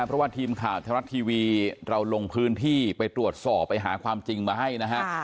เพราะว่าทีมข่าวไทยรัฐทีวีเราลงพื้นที่ไปตรวจสอบไปหาความจริงมาให้นะฮะ